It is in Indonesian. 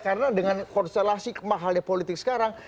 karena dengan konstelasi mahalnya politik sekarang